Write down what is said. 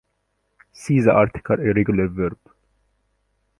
See the article irregular verb.